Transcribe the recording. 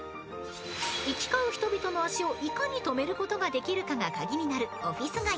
［行き交う人々の足をいかに止めることができるかが鍵になるオフィス街］